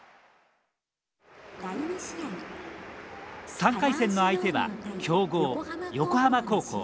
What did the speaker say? ３回戦の相手は強豪横浜高校。